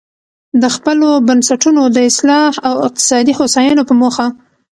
د خپلو بنسټونو د اصلاح او اقتصادي هوساینې په موخه.